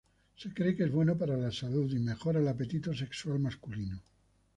Se cree que es bueno para la salud y mejora el apetito sexual masculino.